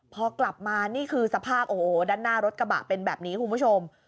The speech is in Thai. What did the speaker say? พอกลับมานี่คือสภาพโอ้โหด้านหน้ารถกระบะเป็นแบบนี้คุณผู้ชม